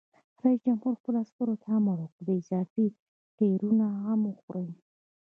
رئیس جمهور خپلو عسکرو ته امر وکړ؛ د اضافي ټایرونو غم وخورئ!